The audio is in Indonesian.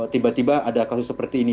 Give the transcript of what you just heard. tiba tiba ada kasus seperti ini